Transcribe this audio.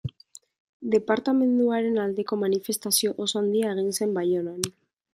Departamenduaren aldeko manifestazio oso handia egin zen Baionan.